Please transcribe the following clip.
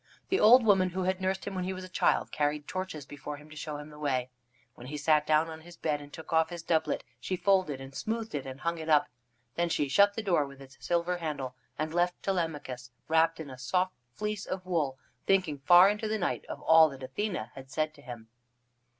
The old woman who had nursed him when he was a child carried torches before him to show him the way. When he sat down on his bed and took off his doublet, she folded and smoothed it and hung it up. Then she shut the door with its silver handle, and left Telemachus, wrapped in a soft fleece of wool, thinking far into the night of all that Athene had said to him.